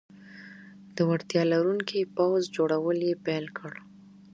د وړتیا لرونکي پوځ جوړول یې پیل کړل.